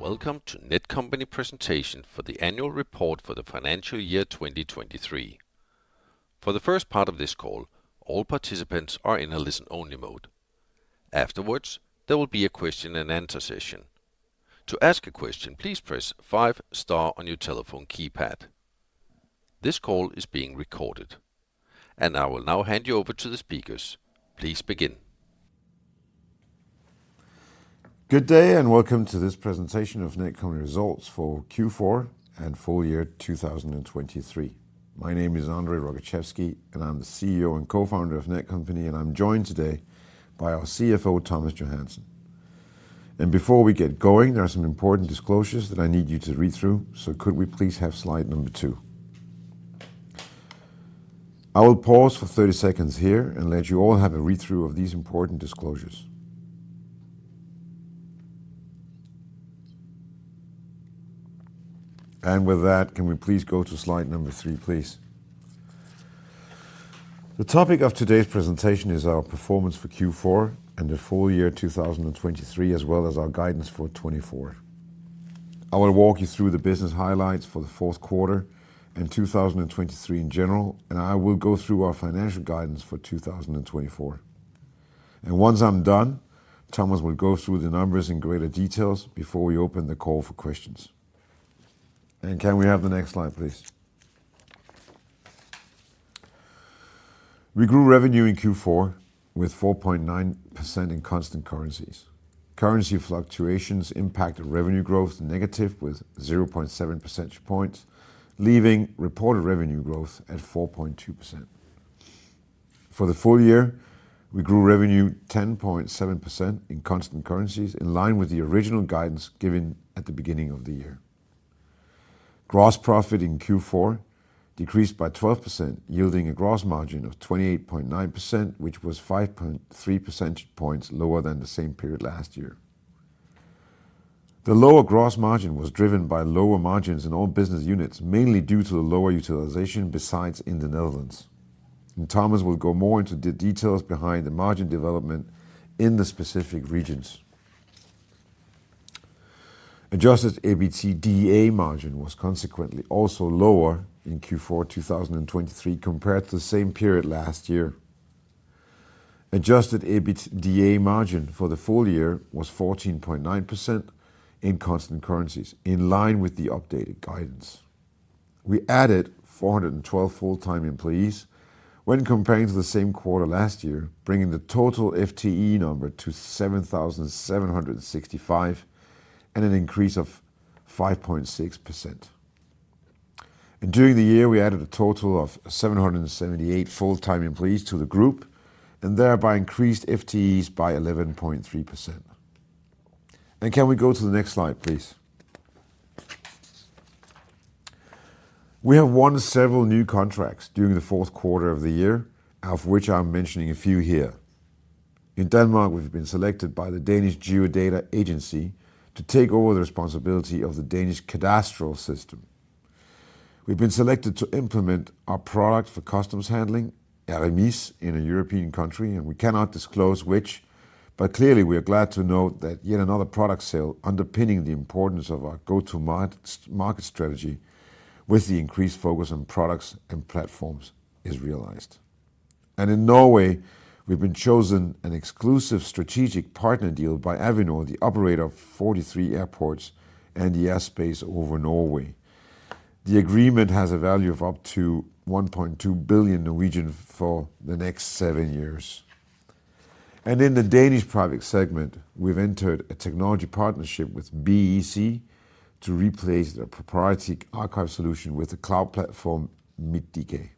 Welcome to Netcompany presentation for the annual report for the financial year 2023. For the first part of this call, all participants are in a listen-only mode. Afterwards, there will be a question and answer session. To ask a question, please press five star on your telephone keypad. This call is being recorded, and I will now hand you over to the speakers. Please begin. Good day, and welcome to this presentation of Netcompany results for Q4 and full year 2023. My name is André Rogaczewski, and I'm the CEO and co-founder of Netcompany, and I'm joined today by our CFO, Thomas Johansen. Before we get going, there are some important disclosures that I need you to read through, so could we please have slide number two? I will pause for 30 seconds here and let you all have a read-through of these important disclosures. With that, can we please go to slide number three, please? The topic of today's presentation is our performance for Q4 and the full year 2023, as well as our guidance for 2024. I will walk you through the business highlights for the fourth quarter and 2023 in general, and I will go through our financial guidance for 2024. And once I'm done, Thomas will go through the numbers in greater details before we open the call for questions. And can we have the next slide, please? We grew revenue in Q4 with 4.9% in constant currencies. Currency fluctuations impacted revenue growth negative with 0.7 percentage points, leaving reported revenue growth at 4.2%. For the full year, we grew revenue 10.7% in constant currencies, in line with the original guidance given at the beginning of the year. Gross profit in Q4 decreased by 12%, yielding a gross margin of 28.9%, which was 5.3 percentage points lower than the same period last year. The lower gross margin was driven by lower margins in all business units, mainly due to the lower utilization, besides in the Netherlands. And Thomas will go more into the details behind the margin development in the specific regions. Adjusted EBITDA margin was consequently also lower in Q4 2023 compared to the same period last year. Adjusted EBITDA margin for the full year was 14.9% in constant currencies, in line with the updated guidance. We added 412 full-time employees when comparing to the same quarter last year, bringing the total FTE number to 7,765 and an increase of 5.6%. During the year, we added a total of 778 full-time employees to the group and thereby increased FTEs by 11.3%. Can we go to the next slide, please? We have won several new contracts during the fourth quarter of the year, of which I'm mentioning a few here. In Denmark, we've been selected by the Danish Geodata Agency to take over the responsibility of the Danish cadastral system. We've been selected to implement our product for customs handling, ERMIS, in a European country, and we cannot disclose which, but clearly, we are glad to note that yet another product sale underpinning the importance of our go-to-market, market strategy with the increased focus on products and platforms is realized. In Norway, we've been chosen an exclusive strategic partner deal by Avinor, the operator of 43 airports and the airspace over Norway. The agreement has a value of up to 1.2 billion for the next seven years. In the Danish private segment, we've entered a technology partnership with BEC to replace the proprietary archive solution with a cloud platform, mit.dk.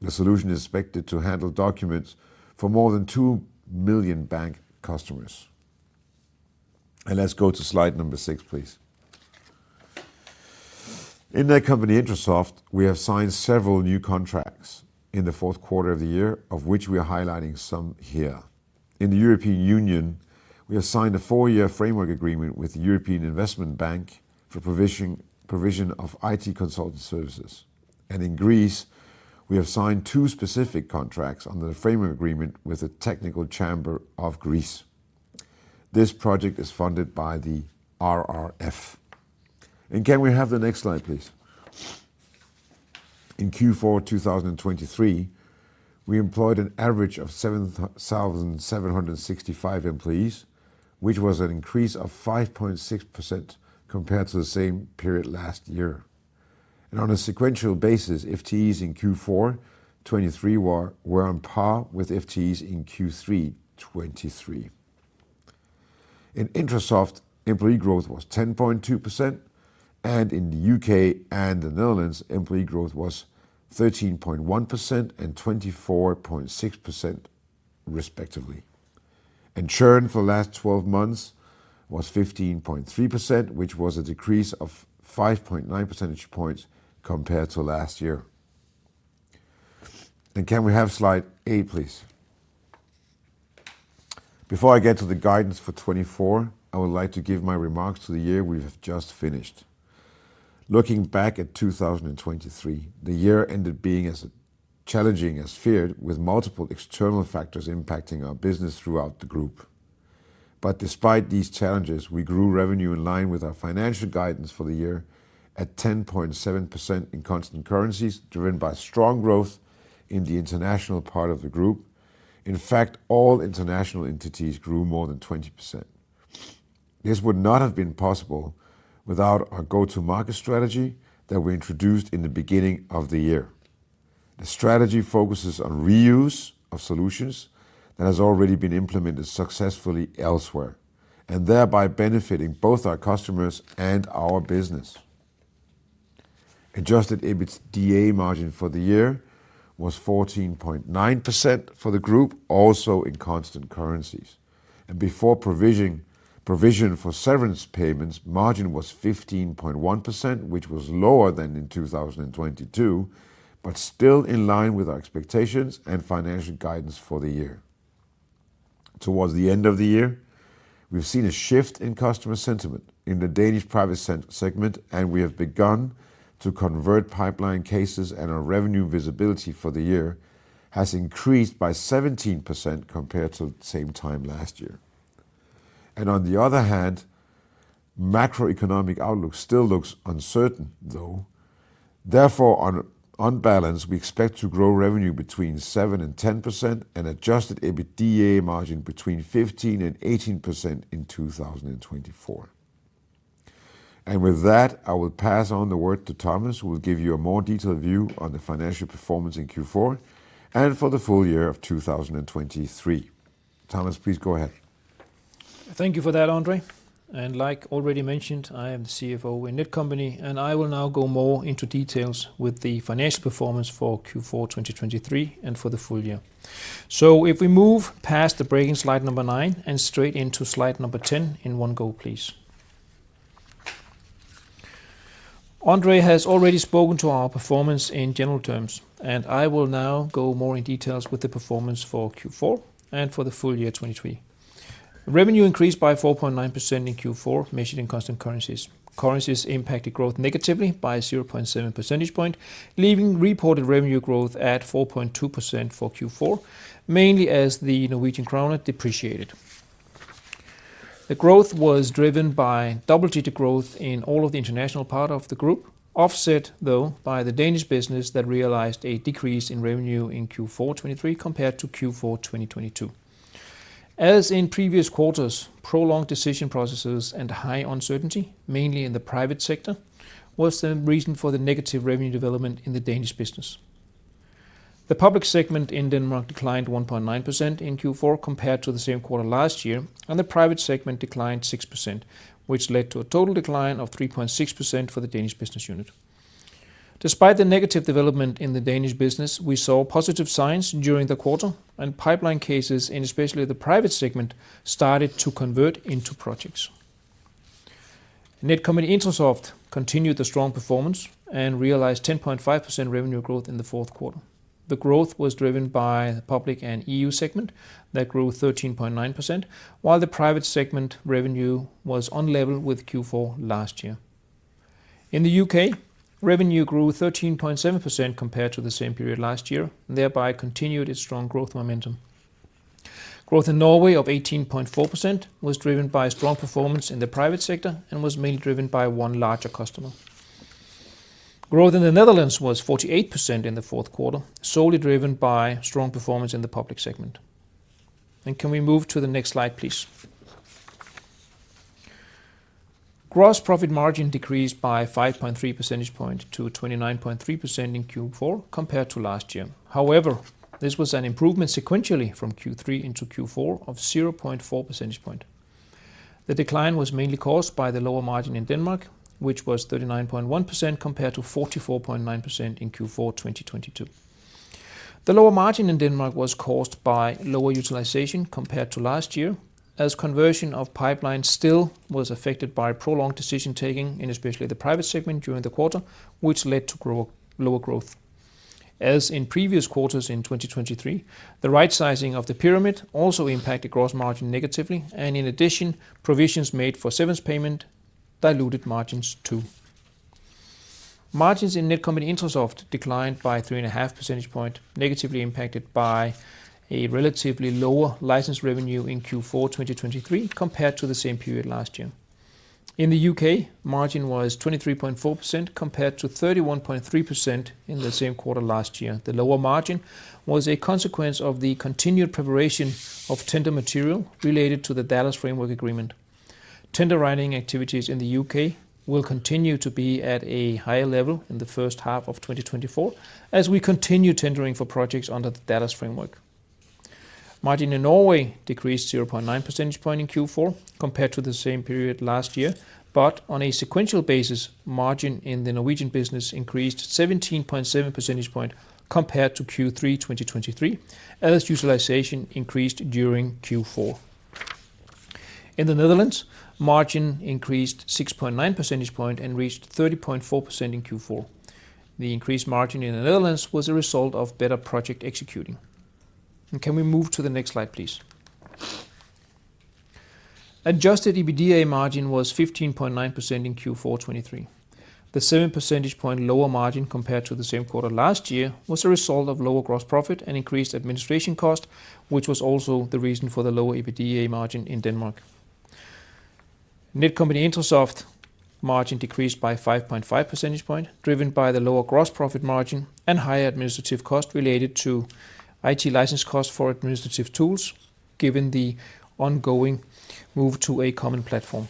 The solution is expected to handle documents for more than two million bank customers. Let's go to slide number six, please. In Netcompany-Intrasoft, we have signed several new contracts in the fourth quarter of the year, of which we are highlighting some here. In the European Union, we have signed a four-year framework agreement with the European Investment Bank for provision of IT consulting services. In Greece, we have signed two specific contracts under the framework agreement with the Technical Chamber of Greece. This project is funded by the RRF. Can we have the next slide, please? In Q4 2023, we employed an average of 7,765 employees, which was an increase of 5.6% compared to the same period last year. On a sequential basis, FTEs in Q4 2023 were on par with FTEs in Q3 2023. In Intrasoft, employee growth was 10.2%, and in the UK and the Netherlands, employee growth was 13.1% and 24.6%, respectively. Churn for the last 12 months was 15.3%, which was a decrease of 5.9 percentage points compared to last year. Can we have slide 8, please? Before I get to the guidance for 2024, I would like to give my remarks to the year we've just finished.... Looking back at 2023, the year ended being as challenging as feared, with multiple external factors impacting our business throughout the group. Despite these challenges, we grew revenue in line with our financial guidance for the year at 10.7% in constant currencies, driven by strong growth in the international part of the group. In fact, all international entities grew more than 20%. This would not have been possible without our go-to-market strategy that we introduced in the beginning of the year. The strategy focuses on reuse of solutions that has already been implemented successfully elsewhere, and thereby benefiting both our customers and our business. Adjusted EBITDA margin for the year was 14.9% for the group, also in constant currencies. Before provision for severance payments, margin was 15.1%, which was lower than in 2022, but still in line with our expectations and financial guidance for the year. Towards the end of the year, we've seen a shift in customer sentiment in the Danish private sector segment, and we have begun to convert pipeline cases, and our revenue visibility for the year has increased by 17% compared to the same time last year. And on the other hand, macroeconomic outlook still looks uncertain, though. Therefore, on, on balance, we expect to grow revenue between 7% and 10% and adjusted EBITDA margin between 15% and 18% in 2024. And with that, I will pass on the word to Thomas, who will give you a more detailed view on the financial performance in Q4 and for the full year of 2023. Thomas, please go ahead. Thank you for that, André. And like already mentioned, I am the CFO in Netcompany, and I will now go more into details with the financial performance for Q4 2023 and for the full year. So if we move past the breaking slide number nine and straight into slide number 10 in one go, please. André has already spoken to our performance in general terms, and I will now go more in details with the performance for Q4 and for the full year 2023. Revenue increased by 4.9% in Q4, measured in constant currencies. Currencies impacted growth negatively by 0.7 percentage point, leaving reported revenue growth at 4.2% for Q4, mainly as the Norwegian kroner depreciated. The growth was driven by double-digit growth in all of the international part of the group, offset though by the Danish business that realized a decrease in revenue in Q4 2023 compared to Q4 2022. As in previous quarters, prolonged decision processes and high uncertainty, mainly in the private sector, was the reason for the negative revenue development in the Danish business. The public segment in Denmark declined 1.9% in Q4 compared to the same quarter last year, and the private segment declined 6%, which led to a total decline of 3.6% for the Danish business unit. Despite the negative development in the Danish business, we saw positive signs during the quarter, and pipeline cases, in especially the private segment, started to convert into projects. Netcompany-Intrasoft continued the strong performance and realized 10.5% revenue growth in the fourth quarter. The growth was driven by the public and EU segment that grew 13.9%, while the private segment revenue was on level with Q4 last year. In the UK, revenue grew 13.7% compared to the same period last year, thereby continued its strong growth momentum. Growth in Norway of 18.4% was driven by strong performance in the private sector and was mainly driven by one larger customer. Growth in the Netherlands was 48% in the fourth quarter, solely driven by strong performance in the public segment. And can we move to the next slide, please? Gross profit margin decreased by 5.3 percentage point to 29.3% in Q4 compared to last year. However, this was an improvement sequentially from Q3 into Q4 of 0.4 percentage point. The decline was mainly caused by the lower margin in Denmark, which was 39.1%, compared to 44.9% in Q4 2022. The lower margin in Denmark was caused by lower utilization compared to last year, as conversion of pipeline still was affected by prolonged decision-taking, in especially the private segment during the quarter, which led to lower growth. As in previous quarters in 2023, the right sizing of the pyramid also impacted gross margin negatively, and in addition, provisions made for severance payment diluted margins, too. Margins in Netcompany-Intrasoft declined by 3.5 percentage point, negatively impacted by a relatively lower licensed revenue in Q4 2023 compared to the same period last year. In the UK, margin was 23.4%, compared to 31.3% in the same quarter last year. The lower margin was a consequence of the continued preparation of tender material related to the DALAS Framework Agreement. Tender writing activities in the UK will continue to be at a higher level in the first half of 2024, as we continue tendering for projects under the DALAS framework. Margin in Norway decreased 0.9 percentage point in Q4 compared to the same period last year, but on a sequential basis, margin in the Norwegian business increased 17.7 percentage point compared to Q3 2023, as utilization increased during Q4. In the Netherlands, margin increased 6.9 percentage point and reached 30.4% in Q4. The increased margin in the Netherlands was a result of better project executing. And can we move to the next slide, please? Adjusted EBITDA margin was 15.9% in Q4 2023. The seven percentage point lower margin compared to the same quarter last year was a result of lower gross profit and increased administration cost, which was also the reason for the lower EBITDA margin in Denmark. Netcompany-Intrasoft margin decreased by 5.5 percentage point, driven by the lower gross profit margin and higher administrative cost related to IT license costs for administrative tools, given the ongoing move to a common platform.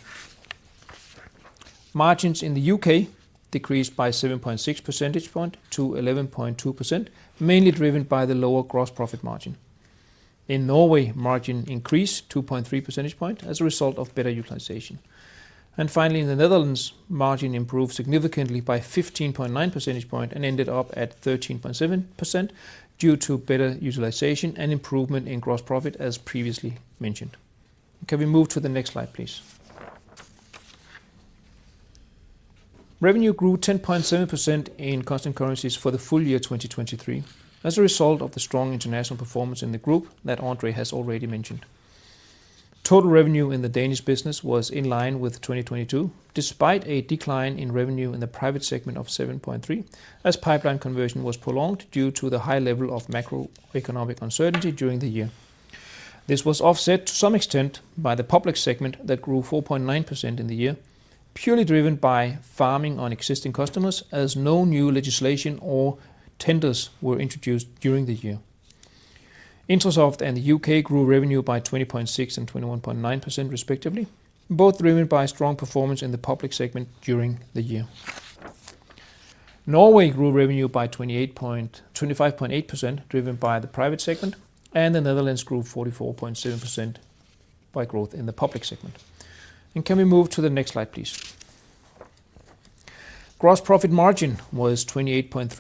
Margins in the UK decreased by 7.6 percentage point to 11.2%, mainly driven by the lower gross profit margin. In Norway, margin increased 2.3 percentage point as a result of better utilization. And finally, in the Netherlands, margin improved significantly by 15.9 percentage point and ended up at 13.7% due to better utilization and improvement in gross profit, as previously mentioned. Can we move to the next slide, please? Revenue grew 10.7% in constant currencies for the full year 2023, as a result of the strong international performance in the group that André has already mentioned. Total revenue in the Danish business was in line with 2022, despite a decline in revenue in the private segment of 7.3, as pipeline conversion was prolonged due to the high level of macroeconomic uncertainty during the year. This was offset to some extent by the public segment that grew 4.9% in the year, purely driven by farming on existing customers, as no new legislation or tenders were introduced during the year. Intrasoft and the UK grew revenue by 20.6% and 21.9% respectively, both driven by strong performance in the public segment during the year. Norway grew revenue by 25.8%, driven by the private segment, and the Netherlands grew 44.7% by growth in the public segment. And can we move to the next slide, please? Gross profit margin was 28.3%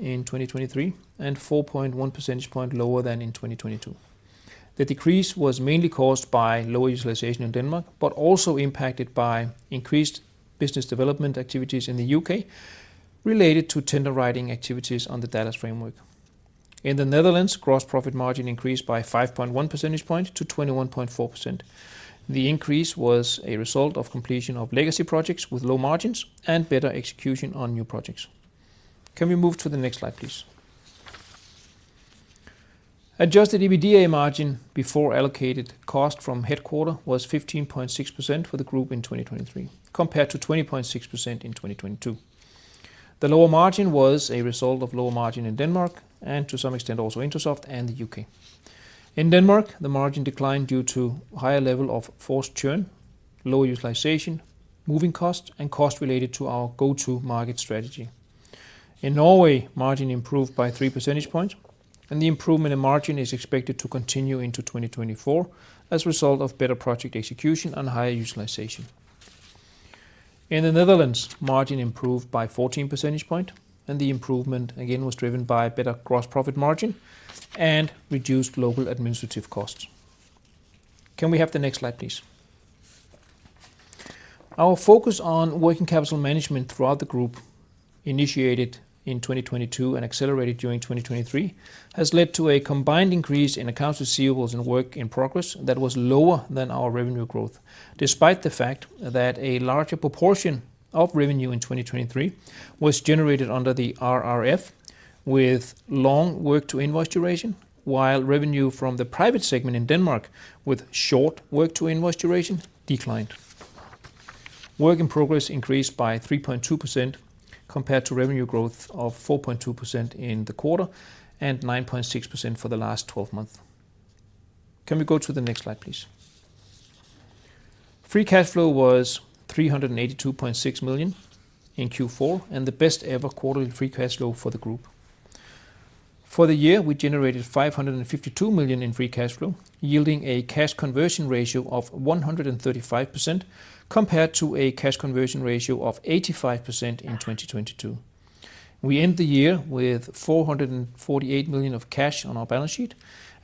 in 2023, and 4.1 percentage point lower than in 2022. The decrease was mainly caused by lower utilization in Denmark, but also impacted by increased business development activities in the UK, related to tender writing activities on the DALAS Framework. In the Netherlands, gross profit margin increased by 5.1 percentage points to 21.4%. The increase was a result of completion of legacy projects with low margins and better execution on new projects. Can we move to the next slide, please? Adjusted EBITDA margin before allocated cost from headquarters was 15.6% for the group in 2023, compared to 20.6% in 2022. The lower margin was a result of lower margin in Denmark and to some extent also Intrasoft and the UK. In Denmark, the margin declined due to higher level of forced churn, low utilization, moving costs and costs related to our go-to-market strategy. In Norway, margin improved by three percentage points, and the improvement in margin is expected to continue into 2024 as a result of better project execution and higher utilization. In the Netherlands, margin improved by 14 percentage points, and the improvement again was driven by better gross profit margin and reduced global administrative costs. Can we have the next slide, please? Our focus on working capital management throughout the group, initiated in 2022 and accelerated during 2023, has led to a combined increase in accounts receivables and work in progress that was lower than our revenue growth. Despite the fact that a larger proportion of revenue in 2023 was generated under the RRF, with long work to invoice duration, while revenue from the private segment in Denmark, with short work to invoice duration, declined. Work in progress increased by 3.2%, compared to revenue growth of 4.2% in the quarter and 9.6% for the last twelve months. Can we go to the next slide, please? Free cash flow was 382.6 million in Q4, and the best ever quarterly free cash flow for the group. For the year, we generated 552 million in free cash flow, yielding a cash conversion ratio of 135%, compared to a cash conversion ratio of 85% in 2022. We end the year with 448 million of cash on our balance sheet,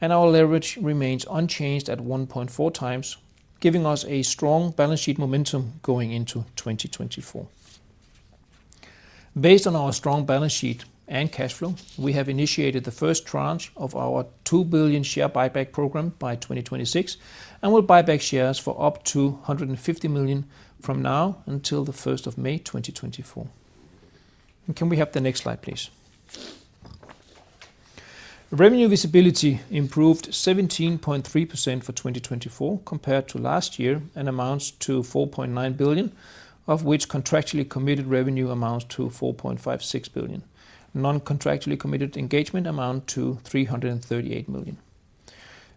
and our leverage remains unchanged at 1.4x, giving us a strong balance sheet momentum going into 2024. Based on our strong balance sheet and cash flow, we have initiated the first tranche of our 2 billion share buyback program by 2026, and we'll buy back shares for up to 150 million from now until the first of May, 2024. And can we have the next slide, please? Revenue visibility improved 17.3% for 2024 compared to last year, and amounts to 4.9 billion, of which contractually committed revenue amounts to 4.56 billion. Non-contractually committed engagement amount to 338 million.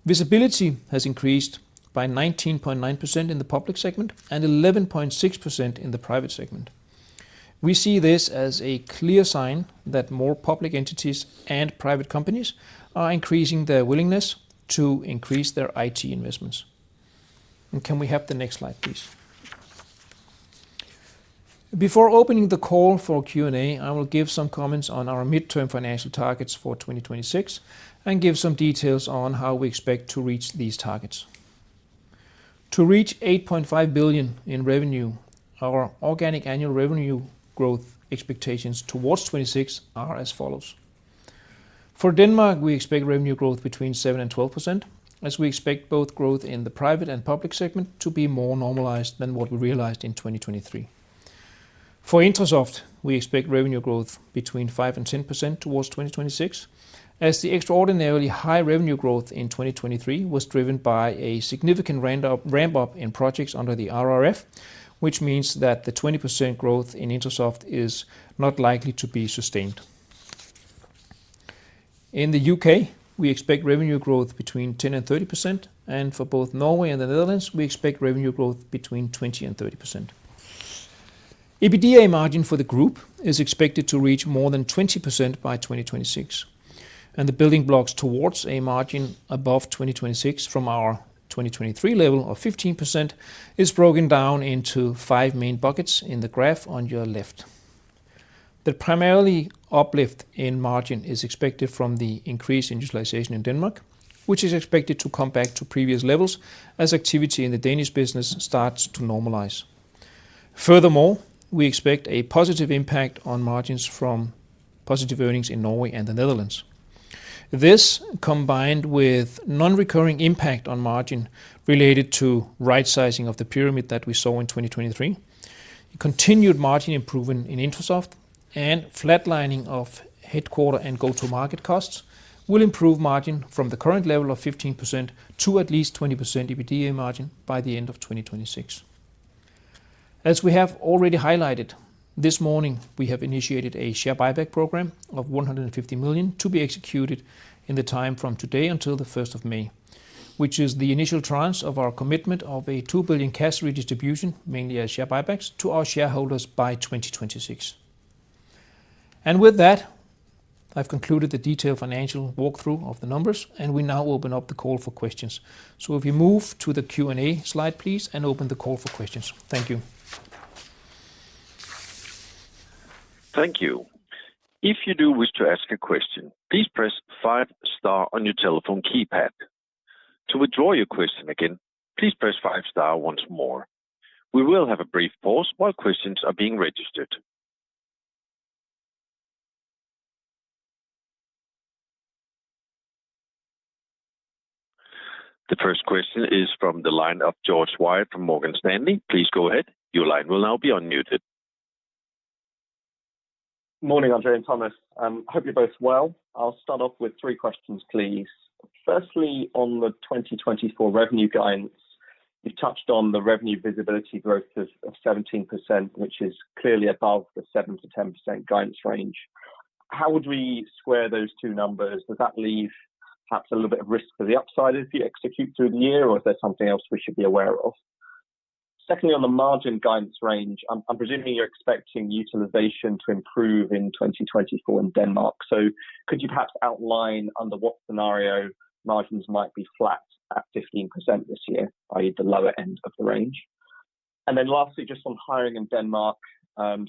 Visibility has increased by 19.9% in the public segment and 11.6% in the private segment. We see this as a clear sign that more public entities and private companies are increasing their willingness to increase their IT investments. And can we have the next slide, please? Before opening the call for Q&A, I will give some comments on our midterm financial targets for 2026 and give some details on how we expect to reach these targets. To reach 8.5 billion in revenue, our organic annual revenue growth expectations towards 2026 are as follows.... For Denmark, we expect revenue growth between 7% and 12%, as we expect both growth in the private and public segment to be more normalized than what we realized in 2023. For Intrasoft, we expect revenue growth between 5% and 10% towards 2026, as the extraordinarily high revenue growth in 2023 was driven by a significant ramp-up in projects under the RRF, which means that the 20% growth in Intrasoft is not likely to be sustained. In the UK, we expect revenue growth between 10% and 30%, and for both Norway and the Netherlands, we expect revenue growth between 20% and 30%. EBITDA margin for the group is expected to reach more than 20% by 2026, and the building blocks towards a margin above 20% by 2026 from our 2023 level of 15% is broken down into five main buckets in the graph on your left. The primarily uplift in margin is expected from the increase in utilization in Denmark, which is expected to come back to previous levels as activity in the Danish business starts to normalize. Furthermore, we expect a positive impact on margins from positive earnings in Norway and the Netherlands. This, combined with non-recurring impact on margin related to right sizing of the pyramid that we saw in 2023, continued margin improvement in Intrasoft, and flatlining of headquarters and go-to-market costs, will improve margin from the current level of 15% to at least 20% EBITDA margin by the end of 2026. As we have already highlighted, this morning we have initiated a share buyback program of 150 million to be executed in the time from today until May 1, which is the initial tranche of our commitment of a 2 billion cash redistribution, mainly as share buybacks, to our shareholders by 2026. And with that, I've concluded the detailed financial walkthrough of the numbers, and we now open up the call for questions. So if you move to the Q&A slide, please, and open the call for questions. Thank you. Thank you. If you do wish to ask a question, please press five star on your telephone keypad. To withdraw your question again, please press five star once more. We will have a brief pause while questions are being registered. The first question is from the line of George Webb from Morgan Stanley. Please go ahead. Your line will now be unmuted. Morning, André and Thomas. I hope you're both well. I'll start off with three questions, please. Firstly, on the 2024 revenue guidance, you've touched on the revenue visibility growth of 17%, which is clearly above the 7%-10% guidance range. How would we square those two numbers? Does that leave perhaps a little bit of risk for the upside if you execute through the year, or is there something else we should be aware of? Secondly, on the margin guidance range, I'm presuming you're expecting utilization to improve in 2024 in Denmark. So could you perhaps outline under what scenario margins might be flat at 15% this year, i.e., the lower end of the range? And then lastly, just on hiring in Denmark, 6%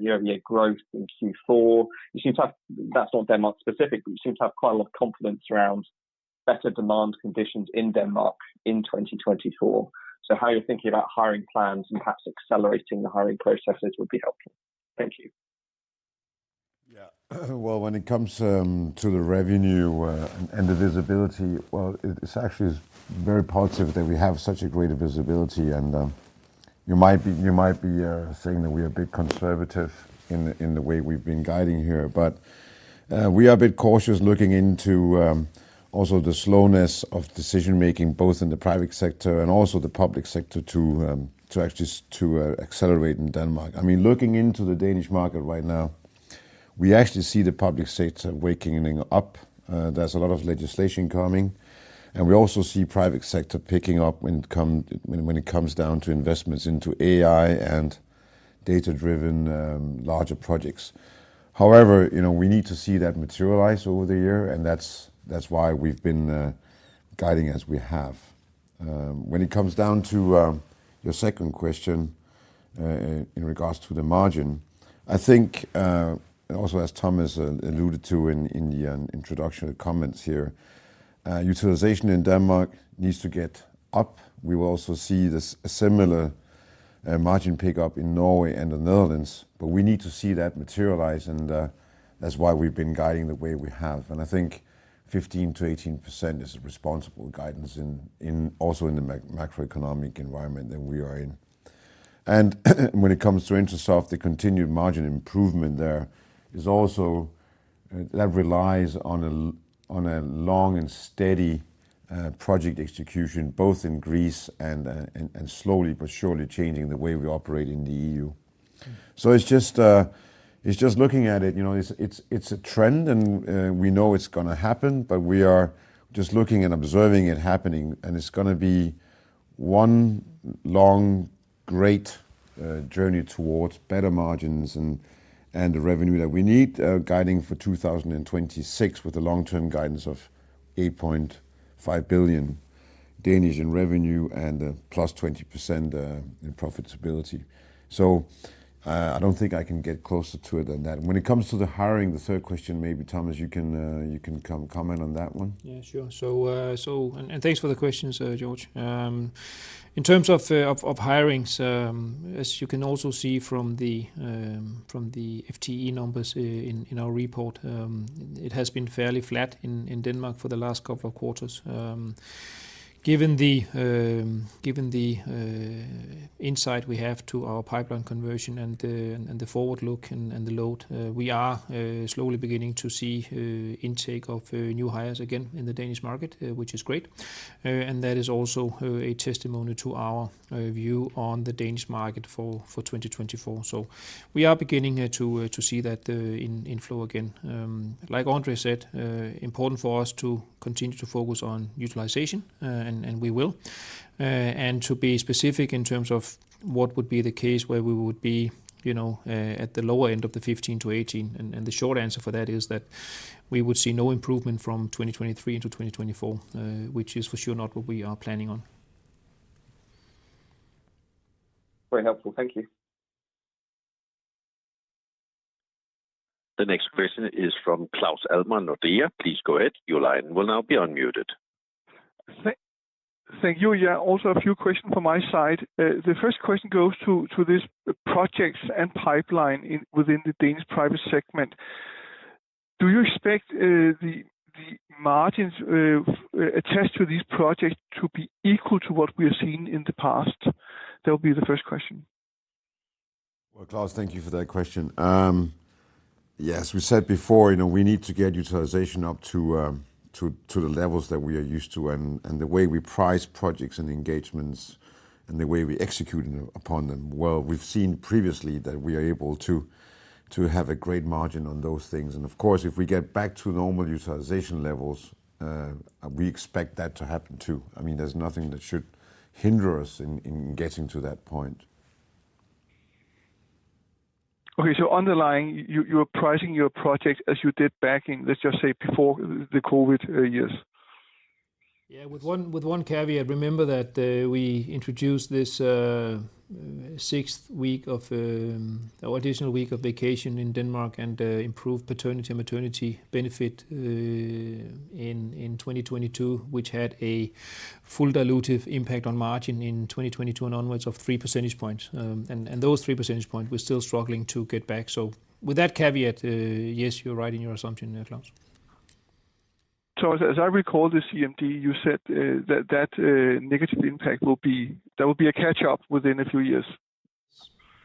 year-over-year growth in Q4. You seem to have... That's not Denmark-specific, but you seem to have quite a lot of confidence around better demand conditions in Denmark in 2024. So how are you thinking about hiring plans and perhaps accelerating the hiring processes? Would be helpful. Thank you. Yeah. Well, when it comes to the revenue and the visibility, well, it's actually very positive that we have such a great visibility and you might be saying that we are a bit conservative in the way we've been guiding here. But we are a bit cautious looking into also the slowness of decision-making, both in the private sector and also the public sector, to actually accelerate in Denmark. I mean, looking into the Danish market right now, we actually see the public sector waking up. There's a lot of legislation coming, and we also see private sector picking up when it comes down to investments into AI and data-driven larger projects. However, you know, we need to see that materialize over the year, and that's, that's why we've been guiding as we have. When it comes down to your second question, in regards to the margin, I think also as Thomas alluded to in the introduction comments here, utilization in Denmark needs to get up. We will also see this, a similar margin pick-up in Norway and the Netherlands, but we need to see that materialize, and that's why we've been guiding the way we have. And I think 15%-18% is a responsible guidance in also in the macroeconomic environment that we are in. And when it comes to Intrasoft, the continued margin improvement there is also... That relies on a long and steady project execution, both in Greece and slowly but surely changing the way we operate in the EU. So it's just looking at it, you know, it's a trend, and we know it's gonna happen, but we are just looking and observing it happening, and it's gonna be one long, great journey towards better margins and the revenue that we need, guiding for 2026, with the long-term guidance of 8.5 billion in revenue and a +20% in profitability. So I don't think I can get closer to it than that. When it comes to the hiring, the third question, maybe, Thomas, you can comment on that one. Yeah, sure. Thanks for the question, Sir George. In terms of hirings, as you can also see from the FTE numbers in our report, it has been fairly flat in Denmark for the last couple of quarters. Given the insight we have to our pipeline conversion and the forward look and the load, we are slowly beginning to see intake of new hires again in the Danish market, which is great. And that is also a testimony to our view on the Danish market for 2024. So we are beginning to see that in flow again. Like André said, important for us to continue to focus on utilization, and we will. And to be specific in terms of what would be the case where we would be, you know, at the lower end of the 15-18, and the short answer for that is that we would see no improvement from 2023 into 2024, which is for sure not what we are planning on. Very helpful. Thank you. The next question is from Claus Almer, Nordea. Please go ahead. Your line will now be unmuted. Thank you. Yeah, also a few questions from my side. The first question goes to this projects and pipeline within the Danish private segment. Do you expect the margins attached to these projects to be equal to what we are seeing in the past? That will be the first question. Well, Claus, thank you for that question. Yes, we said before, you know, we need to get utilization up to the levels that we are used to, and the way we price projects and engagements and the way we execute upon them. Well, we've seen previously that we are able to have a great margin on those things, and of course, if we get back to normal utilization levels, we expect that to happen, too. I mean, there's nothing that should hinder us in getting to that point. Okay, so underlying, you're pricing your project as you did back in, let's just say, before the COVID years? Yeah, with one caveat. Remember that we introduced this sixth week of or additional week of vacation in Denmark and improved paternity, maternity benefit in 2022, which had a full dilutive impact on margin in 2022 and onwards of three percentage points. And those three percentage points, we're still struggling to get back. So with that caveat, yes, you're right in your assumption, Claus. So as I recall, the CMD, you said that negative impact will be... There will be a catch up within a few years.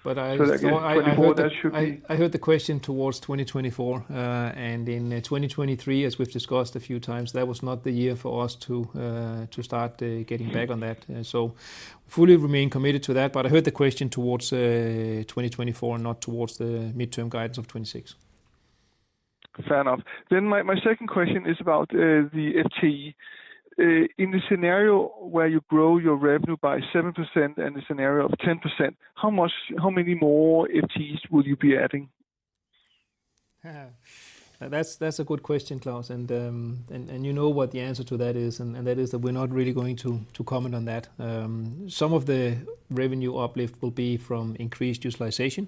But I- Like in 2024, that should be- I heard the question towards 2024, and in 2023, as we've discussed a few times, that was not the year for us to start getting back on that. So fully remain committed to that, but I heard the question towards 2024, not towards the midterm guidance of 2026. Fair enough. Then my second question is about the FTE. In the scenario where you grow your revenue by 7% and the scenario of 10%, how many more FTEs will you be adding? That's a good question, Claus. And you know what the answer to that is, and that is that we're not really going to comment on that. Some of the revenue uplift will be from increased utilization,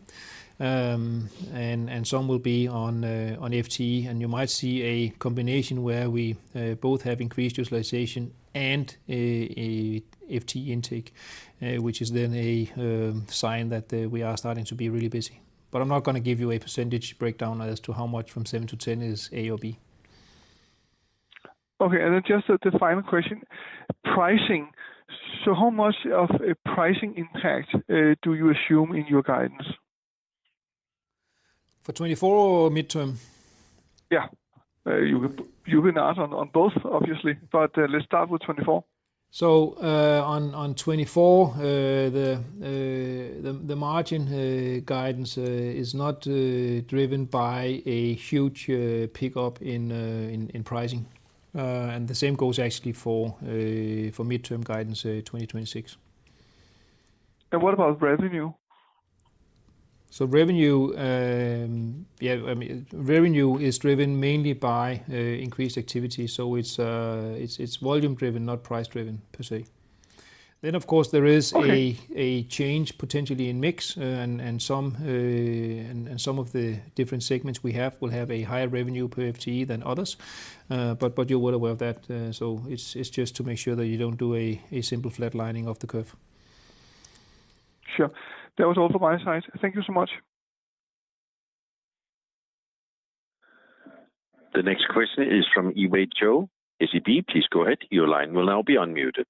and some will be on FTE. And you might see a combination where we both have increased utilization and a FTE intake, which is then a sign that we are starting to be really busy. But I'm not gonna give you a percentage breakdown as to how much from 7%-10% is A or B. Okay, and then just the final question. Pricing. So how much of a pricing impact do you assume in your guidance? For 2024 or midterm? Yeah. You can, you can answer on, on both, obviously, but, let's start with 2024. On 2024, the margin guidance is not driven by a huge pickup in pricing. The same goes actually for midterm guidance, 2026. What about revenue? So revenue, yeah, I mean, revenue is driven mainly by increased activity. So it's volume driven, not price driven per se. Then, of course, there is- Okay... a change potentially in mix, and some of the different segments we have will have a higher revenue per FTE than others. But you're well aware of that, so it's just to make sure that you don't do a simple flatlining of the curve. Sure. That was all from my side. Thank you so much. The next question is from Yiwei Zhou, SEB. Please go ahead. Your line will now be unmuted.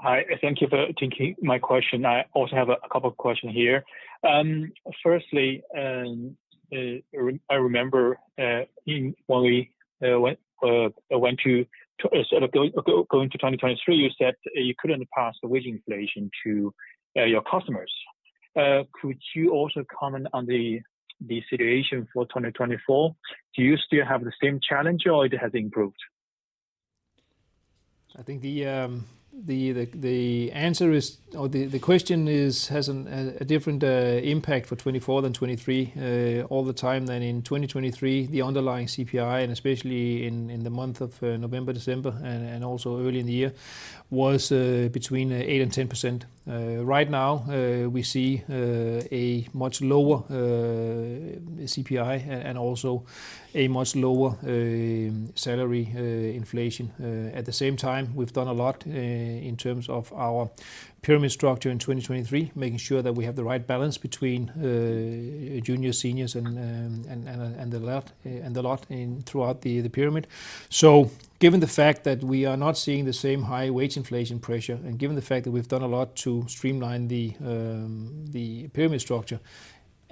Hi, thank you for taking my question. I also have a couple of questions here. Firstly, I remember when we went to sort of going to 2023, you said you couldn't pass the wage inflation to your customers. Could you also comment on the situation for 2024? Do you still have the same challenge, or it has improved? I think the answer is... Or the question is, has a different impact for 2024 than 2023, all the time than in 2023, the underlying CPI, and especially in the month of November, December, and also early in the year, was between 8% and 10%. Right now, we see a much lower CPI and also a much lower salary inflation. At the same time, we've done a lot in terms of our pyramid structure in 2023, making sure that we have the right balance between junior, seniors, and the left- and the lot in throughout the pyramid. So given the fact that we are not seeing the same high wage inflation pressure, and given the fact that we've done a lot to streamline the pyramid structure,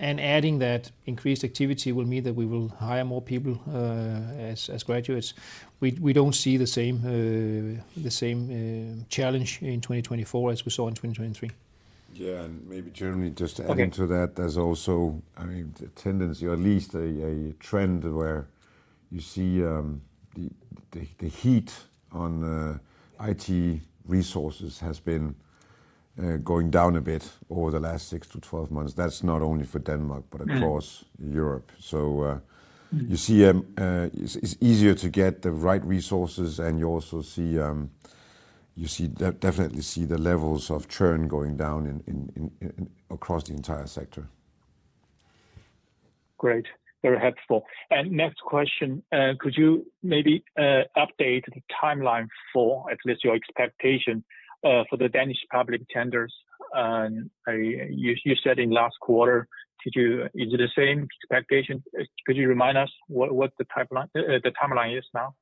and adding that increased activity will mean that we will hire more people, as graduates, we don't see the same challenge in 2024 as we saw in 2023. Yeah, and maybe generally just- Okay... adding to that, there's also, I mean, the tendency or at least a trend where you see the heat on the IT resources has been going down a bit over the last six months to 12 months. That's not only for Denmark- Mm... but across Europe. So, Mm... you see, it's easier to get the right resources, and you also see, definitely, the levels of churn going down across the entire sector. Great. Very helpful. And next question, could you maybe update the timeline for at least your expectation for the Danish public tenders? And you said in last quarter. Is it the same expectation? Could you remind us what the timeline is now?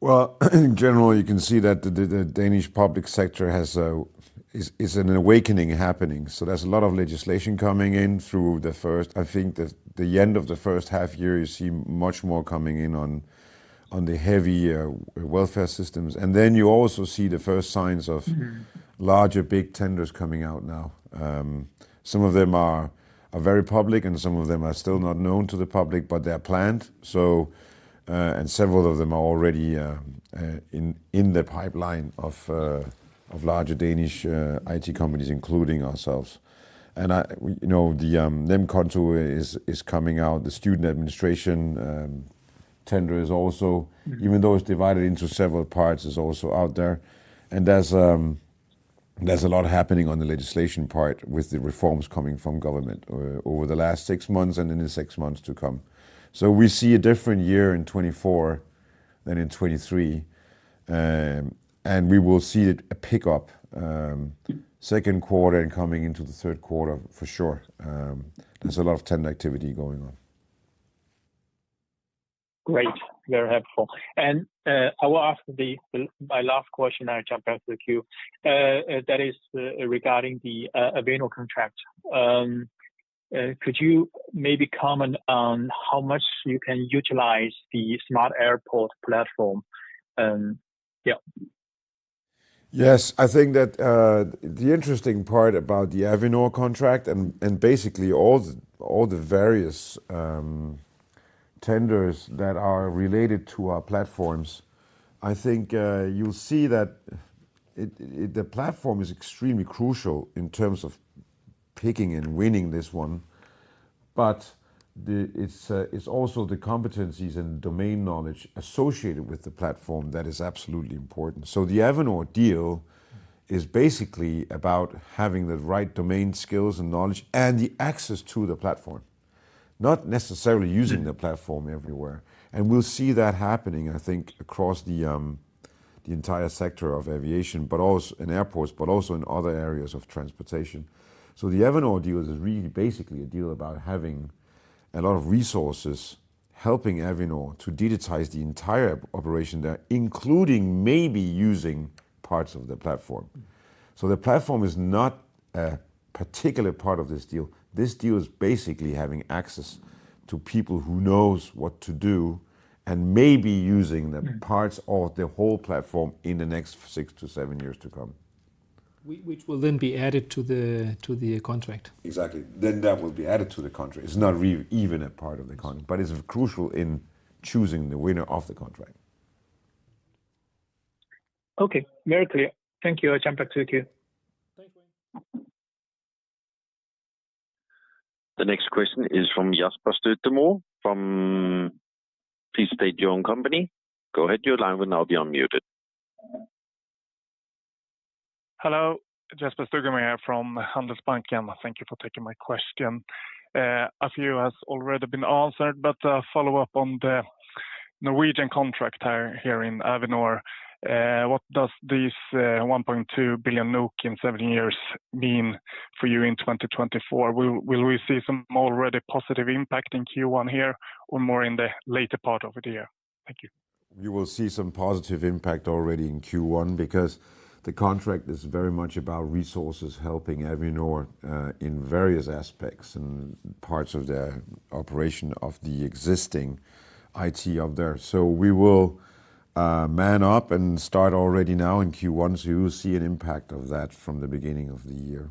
Well, in general, you can see that the Danish public sector has an awakening happening. So there's a lot of legislation coming in through the first... I think the end of the first half year, you see much more coming in on the heavy welfare systems. And then you also see the first signs of- Mm... larger, big tenders coming out now. Some of them are very public, and some of them are still not known to the public, but they're planned, so, and several of them are already in the pipeline of larger Danish IT companies, including ourselves. And I, you know, the NemKonto is coming out. The student administration tender is also- Mm... even though it's divided into several parts, is also out there. And there's a lot happening on the legislation part with the reforms coming from government over the last six months and in the six months to come. So we see a different year in 2024 than in 2023. And we will see a pickup second quarter and coming into the third quarter for sure. There's a lot of tender activity going on. Great. Very helpful. And, I will ask my last question, I jump back to the queue. That is regarding the Avinor contract. Could you maybe comment on how much you can utilize the smart airport platform? Yeah. Yes, I think that the interesting part about the Avinor contract and basically all the various tenders that are related to our platforms, I think you'll see that the platform is extremely crucial in terms of picking and winning this one, but it's also the competencies and domain knowledge associated with the platform that is absolutely important. So the Avinor deal is basically about having the right domain skills and knowledge and the access to the platform, not necessarily using- Mm... the platform everywhere. And we'll see that happening, I think, across the entire sector of aviation, but also in airports, but also in other areas of transportation. So the Avinor deal is really basically a deal about having a lot of resources, helping Avinor to digitize the entire operation there, including maybe using parts of the platform. So the platform is not a particular part of this deal. This deal is basically having access to people who knows what to do and may be using the- Mm... parts or the whole platform in the next six years to seven years to come. Which will then be added to the contract. Exactly. Then that will be added to the contract. It's not even a part of the contract. Mm... but it's crucial in choosing the winner of the contract. Okay. Very clear. Thank you. I jump back to the queue. Thank you. The next question is from Jesper Stugemo from... Please state your own company. Go ahead, your line will now be unmuted. Hello, Jesper Stugemo here from Handelsbanken. Thank you for taking my question. A few has already been answered, but follow up on the Norwegian contract here in Avinor. What does this 1.2 billion NOK in seven years mean for you in 2024? Will we see some already positive impact in Q1 here or more in the later part of the year? Thank you. You will see some positive impact already in Q1 because the contract is very much about resources helping Avinor in various aspects and parts of their operation of the existing IT out there. So we will man up and start already now in Q1, so you will see an impact of that from the beginning of the year.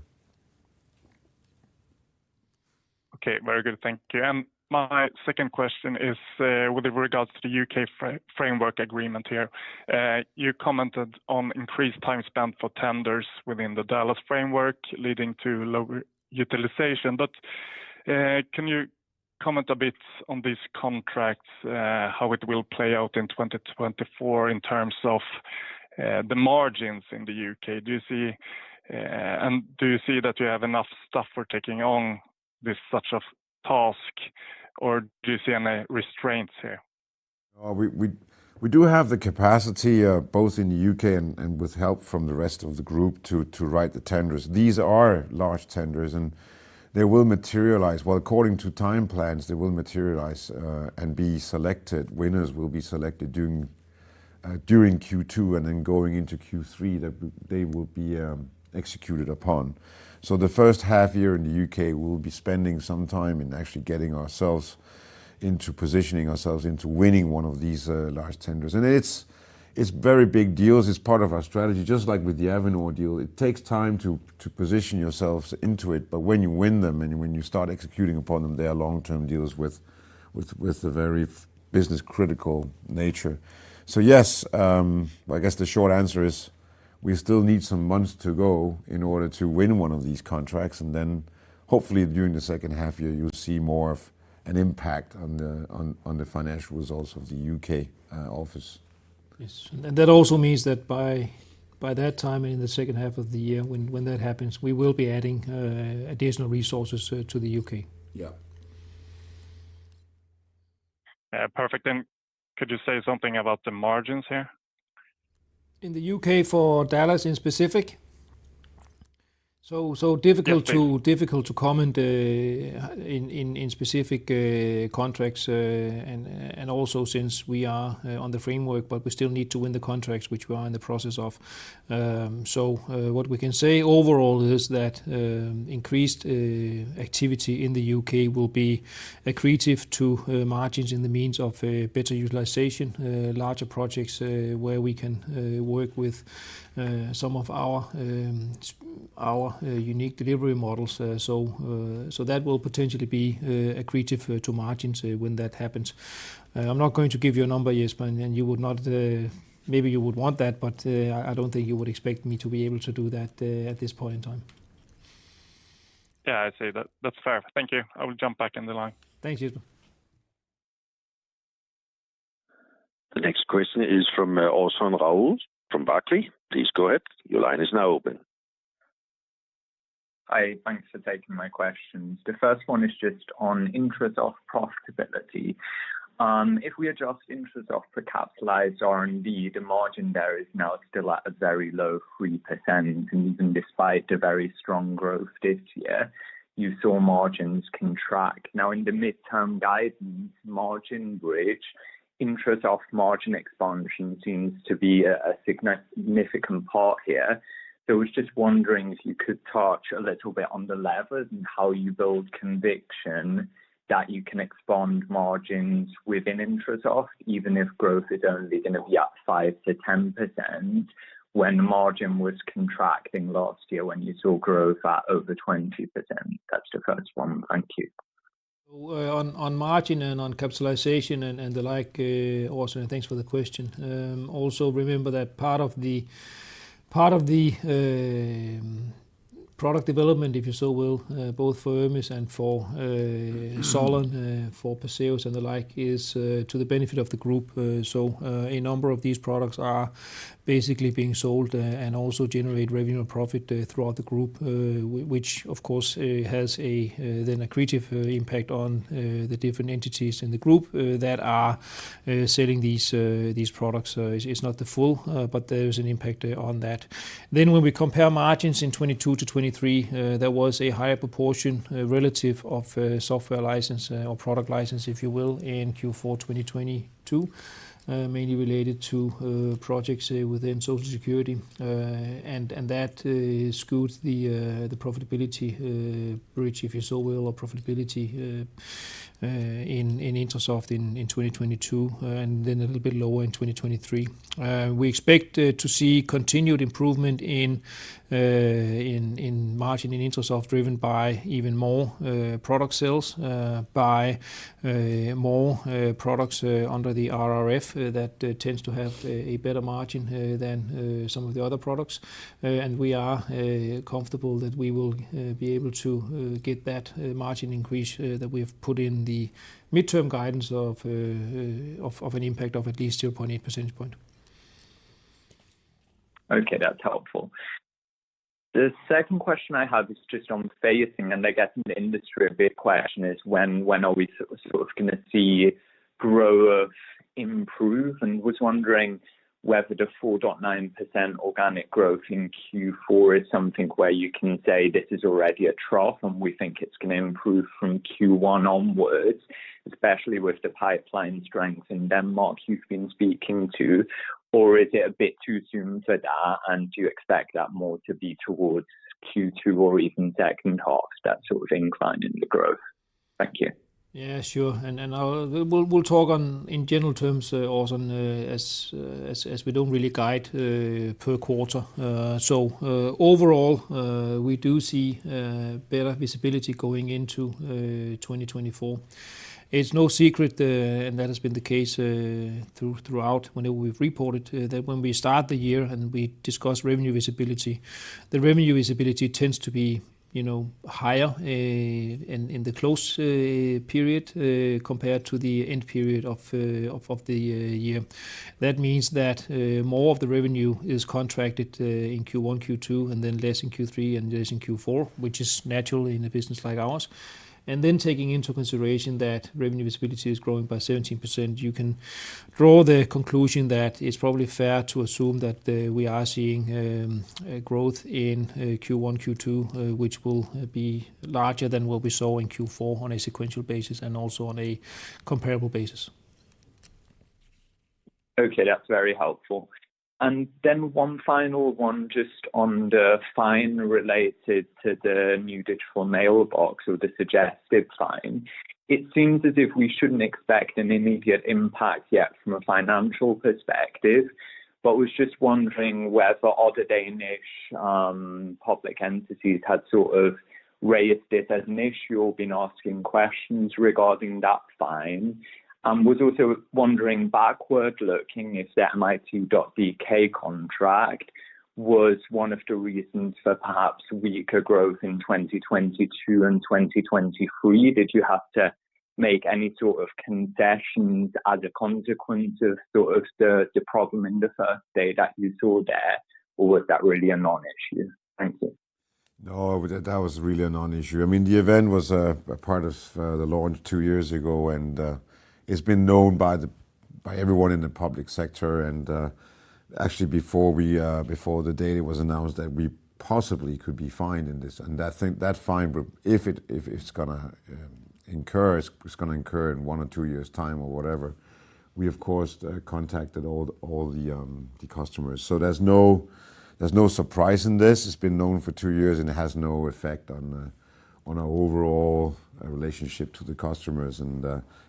Okay. Very good, thank you. And my second question is, with regards to the UK framework agreement here. You commented on increased time spent for tenders within the DALAS framework, leading to lower utilization. But, can you comment a bit on this contract, how it will play out in 2024 in terms of the margins in the UK, do you see, and do you see that you have enough staff for taking on this such of task, or do you see any restraints here? We do have the capacity both in the UK and with help from the rest of the group to write the tenders. These are large tenders, and they will materialize. Well, according to time plans, they will materialize and be selected. Winners will be selected during Q2, and then going into Q3, that they will be executed upon. So the first half year in the UK, we'll be spending some time in actually getting ourselves into positioning ourselves into winning one of these large tenders. And it's very big deals, it's part of our strategy. Just like with the Avinor deal, it takes time to position yourselves into it, but when you win them and when you start executing upon them, they are long-term deals with a very business critical nature. So yes, I guess the short answer is, we still need some months to go in order to win one of these contracts, and then hopefully, during the second half year, you'll see more of an impact on the financial results of the UK office. Yes. That also means that by that time in the second half of the year, when that happens, we will be adding additional resources to the UK. Yeah. Perfect. Could you say something about the margins here? In the UK, for DALAS in specific? So, so difficult to- Yeah... difficult to comment in specific contracts. Also since we are on the framework, but we still need to win the contracts, which we are in the process of. What we can say overall is that increased activity in the UK will be accretive to margins in the means of better utilization, larger projects, where we can work with some of our unique delivery models. So that will potentially be accretive to margins when that happens. I'm not going to give you a number, Jesper, and you would not... Maybe you would want that, but I don't think you would expect me to be able to do that at this point in time. Yeah, I see that. That's fair. Thank you. I will jump back in the line. Thank you. The next question is from Orson Rout from Barclays. Please go ahead. Your line is now open. Hi, thanks for taking my questions. The first one is just on interest in profitability. If we adjust for the capitalized R&D, the margin there is now still at a very low 3%, and even despite the very strong growth this year, you saw margins contract. Now, in the midterm guidance margin bridge, interest in margin expansion seems to be a significant part here. So I was just wondering if you could touch a little bit on the levers and how you build conviction that you can expand margins within Intrasoft, even if growth is only going to be up 5%-10%, when margin was contracting last year when you saw growth at over 20%. That's the first one. Thank you. Well, on margin and on capitalization and the like, Orson, thanks for the question. Also remember that part of the product development, if you so will, both for ERMIS and for SOLON, for PERSEUS and the like, is to the benefit of the group. So a number of these products are basically being sold and also generate revenue and profit throughout the group, which, of course, has a then accretive impact on the different entities in the group that are selling these products. It's not the full, but there is an impact on that. Then when we compare margins in 2022-2023, there was a higher proportion relative of software license or product license, if you will, in Q4 2022, mainly related to projects within Social Security. And that skewed the profitability bridge, if you so will, or profitability in Intrasoft in 2022, and then a little bit lower in 2023. We expect to see continued improvement in margin in Intrasoft, driven by even more product sales by more products under the RRF that tends to have a better margin than some of the other products. We are comfortable that we will be able to get that margin increase that we have put in the midterm guidance of an impact of at least 2.8 percentage point. Okay, that's helpful. The second question I have is just on phasing, and I guess in the industry, a big question is when, when are we sort of gonna see growth improve? And I was wondering whether the 4.9% organic growth in Q4 is something where you can say this is already a trough, and we think it's gonna improve from Q1 onwards, especially with the pipeline strength in Denmark you've been speaking to? Or is it a bit too soon for that, and do you expect that more to be towards Q2 or even second half, that sort of incline in the growth?... Thank you. Yeah, sure. And I'll, we'll talk on in general terms, also on, as we don't really guide per quarter. So overall, we do see better visibility going into 2024. It's no secret, and that has been the case throughout whenever we've reported, that when we start the year and we discuss revenue visibility, the revenue visibility tends to be, you know, higher in the close period compared to the end period of the year. That means that more of the revenue is contracted in Q1, Q2, and then less in Q3 and less in Q4, which is natural in a business like ours. And then taking into consideration that revenue visibility is growing by 17%, you can draw the conclusion that it's probably fair to assume that we are seeing a growth in Q1, Q2, which will be larger than what we saw in Q4 on a sequential basis and also on a comparable basis. Okay, that's very helpful. Then one final one, just on the fine related to the new digital mailbox or the suggested fine. It seems as if we shouldn't expect an immediate impact yet from a financial perspective, but was just wondering whether other Danish public entities had sort of raised it as an issue or been asking questions regarding that fine. Was also wondering, backward-looking, if the mit.dk contract was one of the reasons for perhaps weaker growth in 2022 and 2023. Did you have to make any sort of concessions as a consequence of sort of the problem in the first day that you saw there, or was that really a non-issue? Thank you. No, that was really a non-issue. I mean, the event was a part of the launch two years ago, and it's been known by everyone in the public sector. Actually, before the date it was announced that we possibly could be fined in this. I think that fine, if it's gonna incur, it's gonna incur in one or two years' time or whatever. We, of course, contacted all the customers. So there's no surprise in this. It's been known for two years, and it has no effect on our overall relationship to the customers.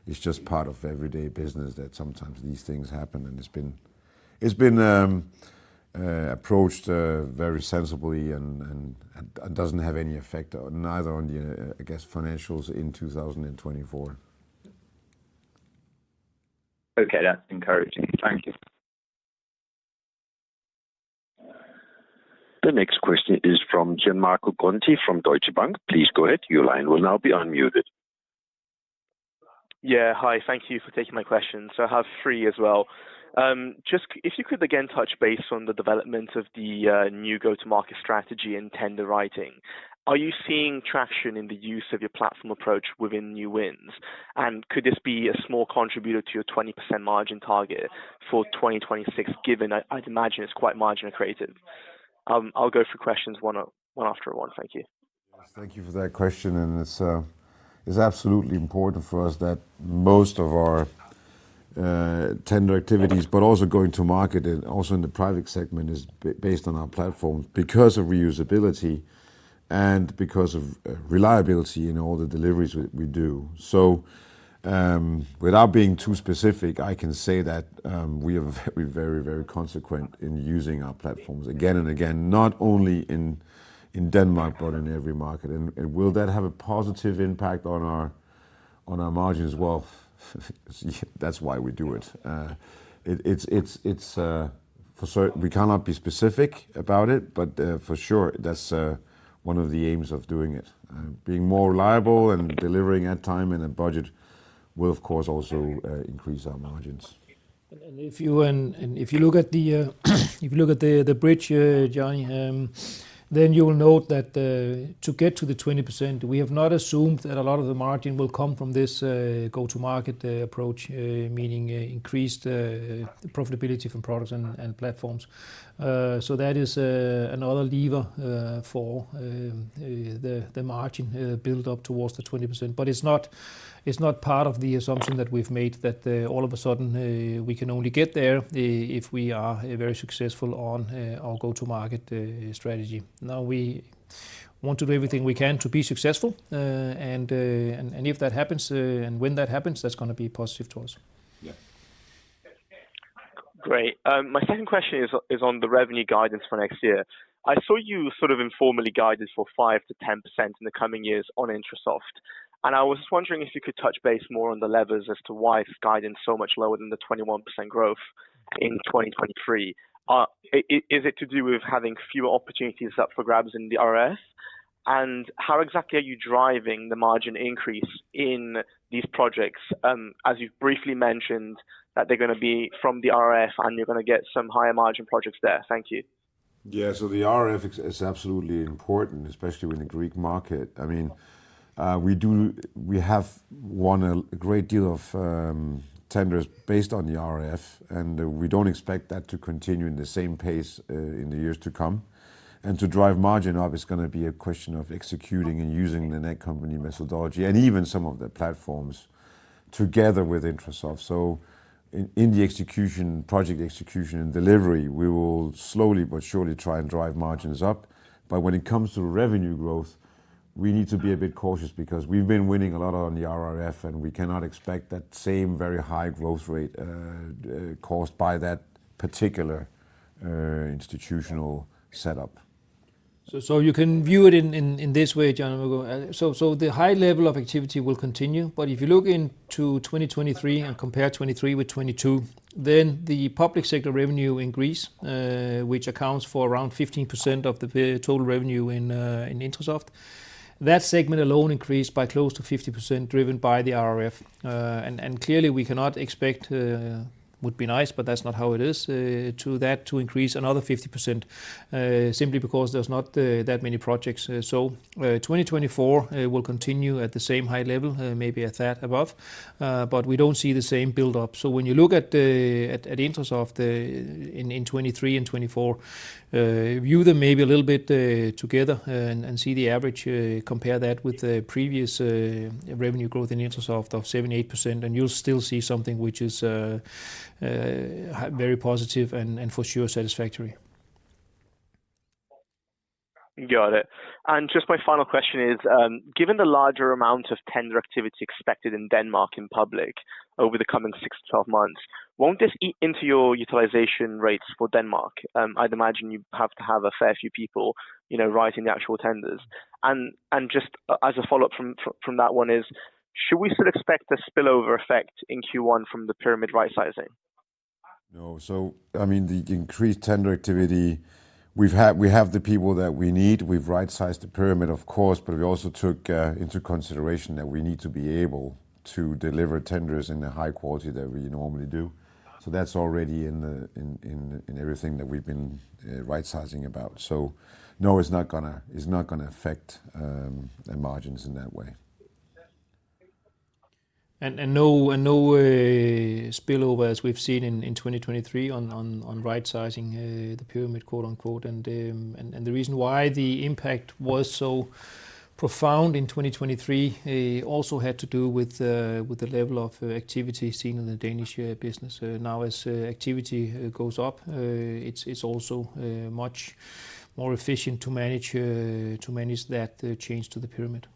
It's just part of everyday business that sometimes these things happen, and it's been approached very sensibly and doesn't have any effect on the, I guess, financials in 2024. Okay. That's encouraging. Thank you. The next question is from Gianmarco Conti from Deutsche Bank. Please go ahead. Your line will now be unmuted. Yeah. Hi, thank you for taking my question. So I have three as well. Just if you could again touch base on the development of the new go-to-market strategy and tender writing, are you seeing traction in the use of your platform approach within new wins? And could this be a small contributor to your 20% margin target for 2026, given I'd imagine it's quite margin accretive. I'll go through questions one by one. Thank you. Thank you for that question, and it's absolutely important for us that most of our tender activities, but also going to market and also in the private segment, is based on our platform, because of reusability and because of reliability in all the deliveries we do. So, without being too specific, I can say that we are very, very, very consequent in using our platforms again and again, not only in Denmark, but in every market. And will that have a positive impact on our margins? Well, that's why we do it. It is for sure. We cannot be specific about it, but for sure, that's one of the aims of doing it. Being more reliable and delivering on time and in budget will, of course, also increase our margins. If you look at the bridge, Gianmarco, then you will note that to get to the 20%, we have not assumed that a lot of the margin will come from this go-to-market approach, meaning increased profitability from products and platforms. So that is another lever for the margin build-up towards the 20%. But it's not part of the assumption that we've made that all of a sudden we can only get there if we are very successful on our go-to-market strategy. Now, we want to do everything we can to be successful, and if that happens, and when that happens, that's gonna be positive to us. Yeah. Great. My second question is on the revenue guidance for next year. I saw you sort of informally guided for 5%-10% in the coming years on Intrasoft, and I was just wondering if you could touch base more on the levers as to why it's guiding so much lower than the 21% growth in 2023. Is it to do with having fewer opportunities up for grabs in the RF? And how exactly are you driving the margin increase in these projects, as you've briefly mentioned, that they're gonna be from the RF, and you're gonna get some higher margin projects there? Thank you. Yeah. So the RRF is absolutely important, especially in the Greek market. I mean, we have won a great deal of tenders based on the RRF, and we don't expect that to continue in the same pace in the years to come. And to drive margin up, it's gonna be a question of executing and using the Netcompany methodology and even some of the platforms together with Intrasoft. So in the execution, project execution and delivery, we will slowly but surely try and drive margins up. But when it comes to revenue growth, we need to be a bit cautious because we've been winning a lot on the RRF, and we cannot expect that same very high growth rate caused by that particular institutional setup. So you can view it in this way, Gian, so the high level of activity will continue, but if you look into 2023 and compare 2023 with 2022, then the public sector revenue increase, which accounts for around 15% of the total revenue in Intrasoft. That segment alone increased by close to 50%, driven by the RRF. And clearly we cannot expect, would be nice, but that's not how it is, to that to increase another 50%, simply because there's not that many projects. So 2024 will continue at the same high level, maybe a tad above, but we don't see the same build-up. So when you look at Intrasoft in 2023 and 2024, view them maybe a little bit together and see the average, compare that with the previous revenue growth in Intrasoft of 78%, and you'll still see something which is very positive and for sure satisfactory. Got it. And just my final question is, given the larger amount of tender activity expected in Denmark, in public over the coming six months to 12 months, won't this eat into your utilization rates for Denmark? I'd imagine you have to have a fair few people, you know, writing the actual tenders. And just as a follow-up from that one is, should we still expect a spillover effect in Q1 from the pyramid right-sizing? No. So, I mean, the increased tender activity, we have the people that we need. We've right-sized the pyramid, of course, but we also took into consideration that we need to be able to deliver tenders in the high quality that we normally do. So that's already in everything that we've been right-sizing about. So no, it's not gonna affect the margins in that way. And no spillover as we've seen in 2023 on right-sizing the pyramid, quote, unquote. And the reason why the impact was so profound in 2023 also had to do with the level of activity seen in the Danish business. Now as activity goes up, it's also much more efficient to manage that change to the pyramid.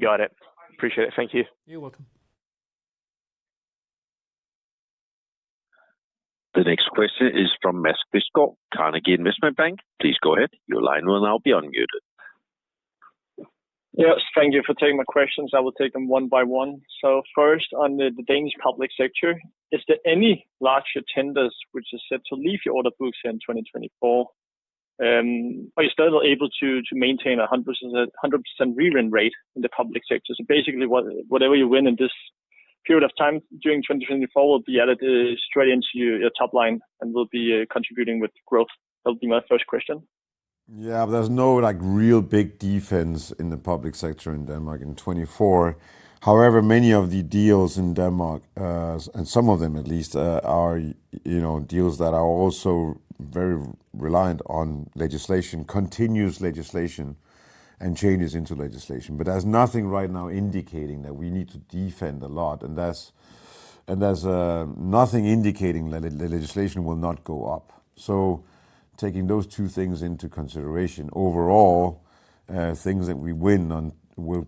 Got it. Appreciate it. Thank you. You're welcome. The next question is from Mads Quistgaard, Carnegie Investment Bank. Please go ahead. Your line will now be unmuted. Yes, thank you for taking my questions. I will take them one by one. So first, on the Danish public sector, is there any larger tenders which are set to leave your order books in 2024? Are you still able to maintain 100%, 100% re-win rate in the public sector? So basically, whatever you win in this period of time during 2024 will be added straight into your top line and will be contributing with growth. That'll be my first question. Yeah. There's no, like, real big defense in the public sector in Denmark in 2024. However, many of the deals in Denmark, and some of them at least, are, you know, deals that are also very reliant on legislation, continuous legislation and changes into legislation. But there's nothing right now indicating that we need to defend a lot, and there's nothing indicating that the legislation will not go up. So taking those two things into consideration, overall, things that we win on will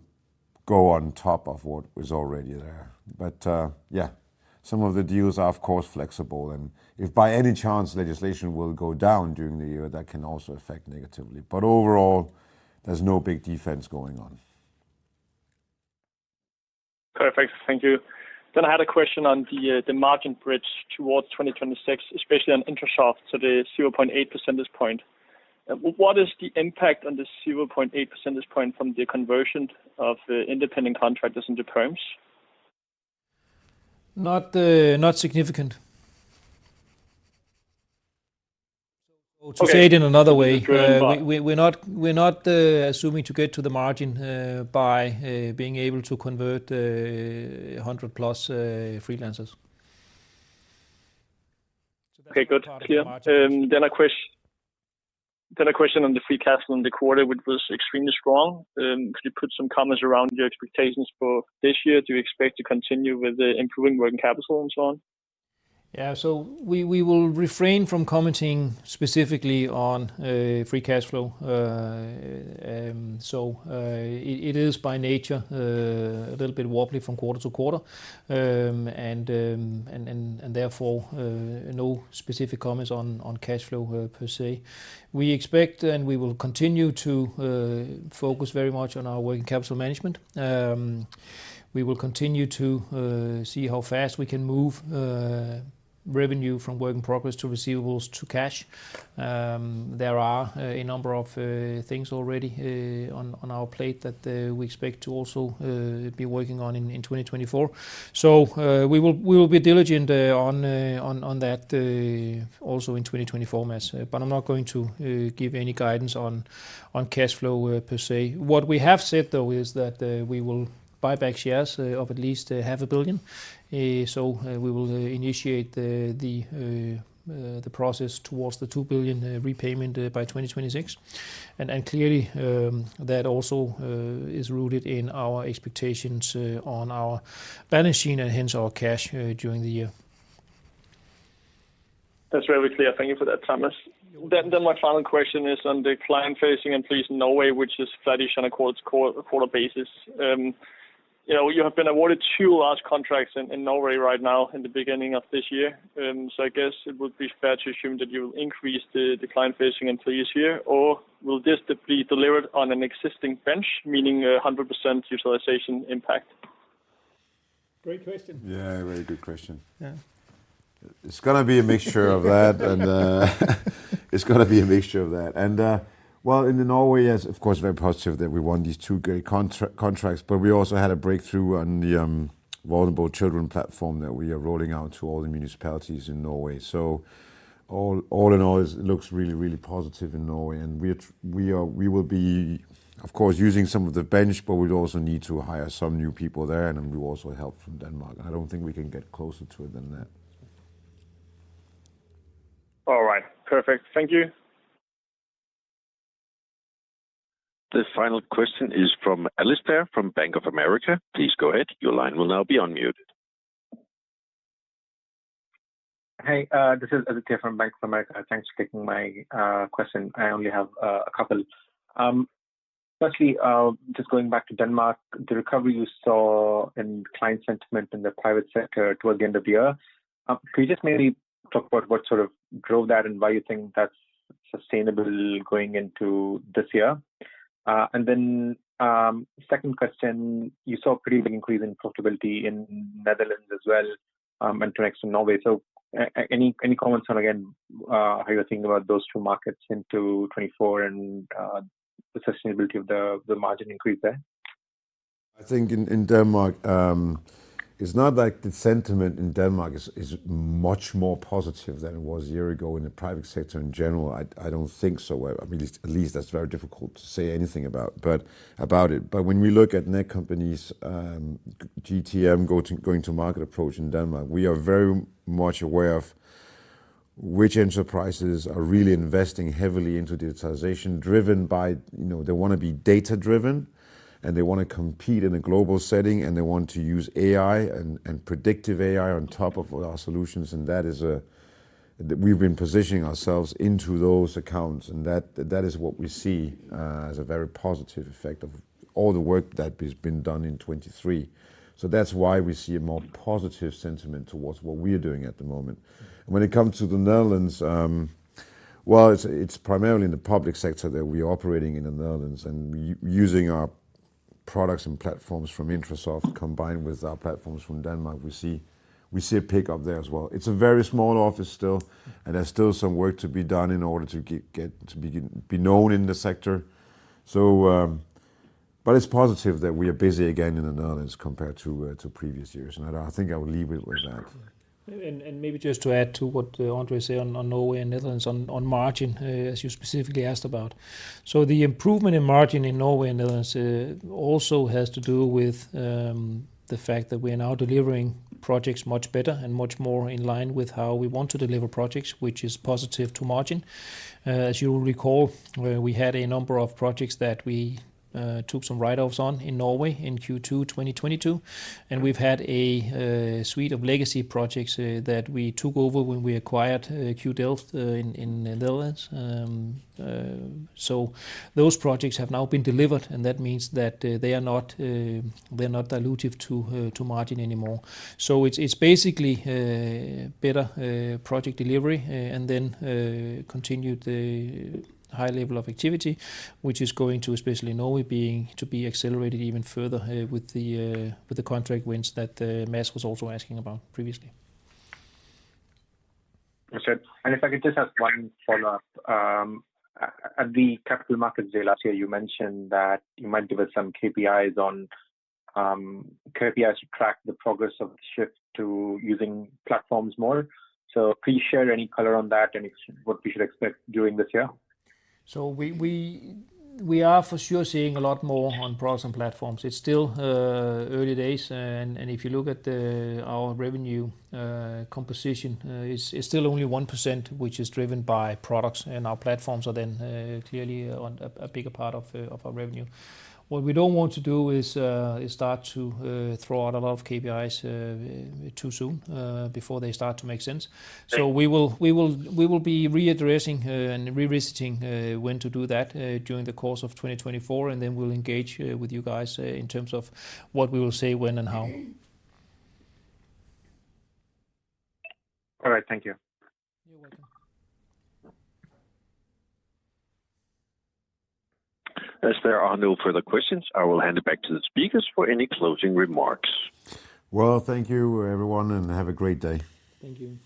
go on top of what was already there. But, yeah, some of the deals are of course, flexible, and if by any chance legislation will go down during the year, that can also affect negatively. But overall, there's no big defense going on. Perfect. Thank you. Then I had a question on the, the margin bridge towards 2026, especially on Intrasoft, so the 0.8 percentage point. What is the impact on the 0.8 percentage point from the conversion of the independent contractors into perms? Not significant. Okay. To say it in another way- Very much... we're not assuming to get to the margin by being able to convert 100+ freelancers. Okay, good. Yeah. Then a question on the free cash flow in the quarter, which was extremely strong. Could you put some comments around your expectations for this year? Do you expect to continue with the improving working capital and so on? Yeah. So we will refrain from commenting specifically on free cash flow. It is by nature a little bit wobbly from quarter to quarter. And therefore no specific comments on cash flow per se. We expect, and we will continue to focus very much on our working capital management. We will continue to see how fast we can move revenue from work in progress to receivables to cash. There are a number of things already on our plate that we expect to also be working on in 2024. So, we will be diligent on that also in 2024, Mads, but I'm not going to give any guidance on cash flow per se. What we have said, though, is that we will buy back shares of at least 500 million, so we will initiate the process towards the 2 billion repayment by 2026. And clearly, that also is rooted in our expectations on our balance sheet and hence our cash during the year.... That's very clear. Thank you for that, Thomas. Then my final question is on the client-facing employees in Norway, which is flattish on a quarter-over-quarter basis. You know, you have been awarded two large contracts in Norway right now in the beginning of this year. So I guess it would be fair to assume that you will increase the client-facing employees here, or will this be delivered on an existing bench, meaning a 100% utilization impact? Great question. Yeah, a very good question. Yeah. It's gonna be a mixture of that, and it's gonna be a mixture of that. And well, in Norway, yes, of course, very positive that we won these two great contracts, but we also had a breakthrough on the vulnerable children platform that we are rolling out to all the municipalities in Norway. So all in all, it looks really, really positive in Norway. And we are, we will be, of course, using some of the bench, but we'd also need to hire some new people there, and then we also help from Denmark. I don't think we can get closer to it than that. All right. Perfect. Thank you. The final question is from Aditya, from Bank of America. Please go ahead. Your line will now be unmuted. Hey, this is Aditya from Bank of America. Thanks for taking my question. I only have a couple. Firstly, just going back to Denmark, the recovery you saw in client sentiment in the private sector towards the end of the year, can you just maybe talk about what sort of drove that and why you think that's sustainable going into this year? And then, second question, you saw a pretty big increase in profitability in Netherlands as well, and to an extent, Norway. So any comments on, again, how you're thinking about those two markets into 2024 and the sustainability of the margin increase there? I think in Denmark, it's not like the sentiment in Denmark is much more positive than it was a year ago in the private sector in general. I don't think so. I mean, at least that's very difficult to say anything about, but about it. But when we look at Netcompany's GTM, go-to-market approach in Denmark, we are very much aware of which enterprises are really investing heavily into digitization, driven by, you know, they wanna be data-driven, and they wanna compete in a global setting, and they want to use AI and predictive AI on top of our solutions, and that is... We've been positioning ourselves into those accounts, and that is what we see as a very positive effect of all the work that has been done in 2023. So that's why we see a more positive sentiment towards what we are doing at the moment. When it comes to the Netherlands, well, it's primarily in the public sector that we are operating in the Netherlands, and using our products and platforms from Intrasoft, combined with our platforms from Denmark, we see a pickup there as well. It's a very small office still, and there's still some work to be done in order to get to be known in the sector. But it's positive that we are busy again in the Netherlands compared to previous years, and I think I will leave it with that. Maybe just to add to what André said on Norway and Netherlands on margin, as you specifically asked about. So the improvement in margin in Norway and Netherlands also has to do with the fact that we are now delivering projects much better and much more in line with how we want to deliver projects, which is positive to margin. As you'll recall, we had a number of projects that we took some write-offs on in Norway in Q2 2022, and we've had a suite of legacy projects that we took over when we acquired QDelft in Netherlands. So those projects have now been delivered, and that means that they are not, they're not dilutive to margin anymore. So it's basically better project delivery and then continued the high level of activity, which is going to be accelerated even further, especially in Norway, with the contract wins that Mads was also asking about previously. Okay. If I could just ask one follow-up. At the Capital Markets Day last year, you mentioned that you might give us some KPIs on KPIs to track the progress of the shift to using platforms more. Please share any color on that and what we should expect during this year. So we are for sure seeing a lot more on products and platforms. It's still early days, and if you look at our revenue composition, it's still only 1%, which is driven by products, and our platforms are then clearly on a bigger part of our revenue. What we don't want to do is start to throw out a lot of KPIs too soon before they start to make sense. Right. So we will be readdressing and revisiting when to do that during the course of 2024, and then we'll engage with you guys in terms of what we will say, when, and how. All right. Thank you. You're welcome. As there are no further questions, I will hand it back to the speakers for any closing remarks. Well, thank you, everyone, and have a great day. Thank you.